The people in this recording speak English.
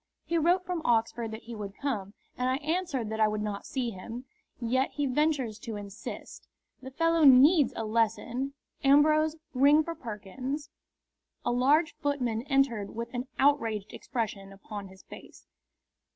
He wrote from Oxford that he would come, and I answered that I would not see him. Yet he ventures to insist. The fellow needs a lesson! Ambrose, ring for Perkins." A large footman entered with an outraged expression upon his face.